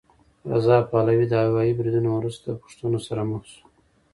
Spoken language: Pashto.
رضا پهلوي د هوايي بریدونو وروسته پوښتنو سره مخ شو.